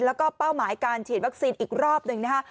แล้วก็เป้าหมายการฉีดวัคซีนอีกรอบหนึ่งนะคะ